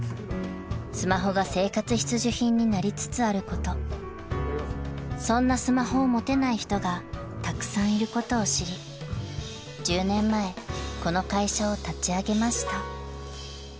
［スマホが生活必需品になりつつあることそんなスマホを持てない人がたくさんいることを知り１０年前この会社を立ち上げました］